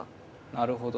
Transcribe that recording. なるほど。